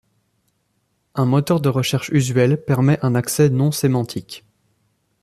Un moteur de recherche usuel permet un accès non sémantique.